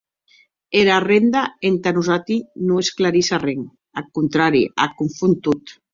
Era renda, entà nosati, non esclarís arren; ath contrari, ac confon tot.